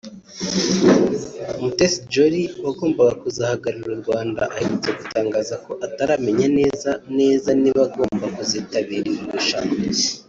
Miss Mutesi Jolly wagombaga kuzahagararira u Rwanda aherutse gutangaza ko ataramenya neza neza niba agomba kuzitabira iri rushanwa